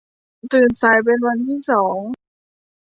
ตื่นสายเป็นวันที่สอง